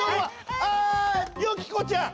あよき子ちゃん。